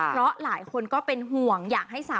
เพราะว่ามีเพื่อนซีอย่างน้ำชาชีระนัทอยู่เคียงข้างเสมอค่ะ